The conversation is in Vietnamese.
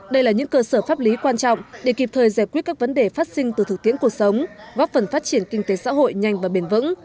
đây là những cơ sở pháp lý quan trọng để kịp thời giải quyết các vấn đề phát sinh từ thực tiễn cuộc sống góp phần phát triển kinh tế xã hội nhanh và bền vững